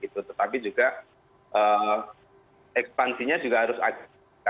tetapi juga ekspansinya juga harus ada